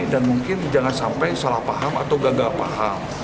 dan mungkin jangan sampai salah paham atau gagal paham